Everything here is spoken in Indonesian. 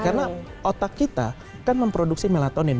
karena otak kita kan memproduksi melatonin